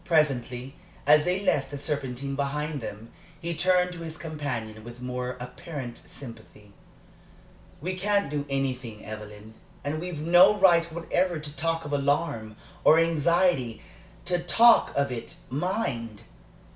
Presently, as they left the Serpentine behind them, he turned to his companion with more apparent sympathy. "We can't do anything, Evelyn, and we've no right whatever to talk of alarm, or anxiety to talk of it, mind!